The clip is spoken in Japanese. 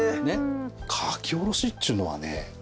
書き下ろしっちゅうのはね。